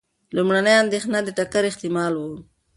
لومړنۍ اندېښنه د ټکر احتمال و.